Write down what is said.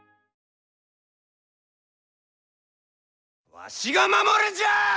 わしが守るんじゃあ！